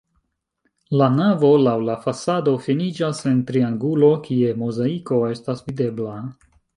La navo laŭ la fasado finiĝas en triangulo, kie mozaiko estas videbla.